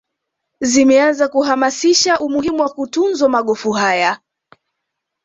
Zimeanza kuhamasisha umuhimu wa kutunzwa magofu haya